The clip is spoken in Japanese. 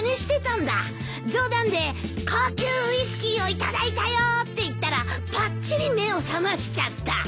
冗談で「高級ウイスキーをいただいたよ！」って言ったらぱっちり目を覚ましちゃった。